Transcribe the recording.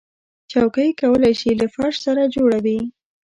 چوکۍ کولی شي له فرش سره جوړه وي.